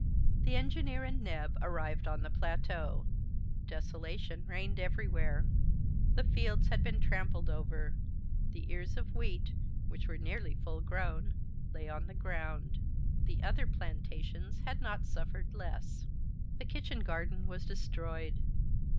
The engineer and Neb arrived on the plateau. Desolation reigned everywhere. The fields had been trampled over; the ears of wheat, which were nearly full grown, lay on the ground. The other plantations had not suffered less. The kitchen garden was destroyed.